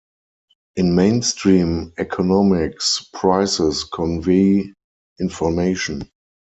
In mainstream economics, prices convey information.